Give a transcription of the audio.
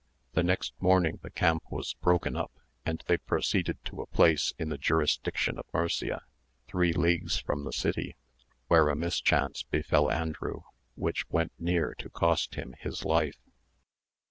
The next morning the camp was broken up, and they proceeded to a place in the jurisdiction of Murcia, three leagues from the city, where a mischance befel Andrew, which went near to cost him his life.